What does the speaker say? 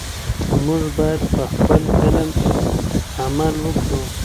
موږ باید په خپل علم عمل وکړو.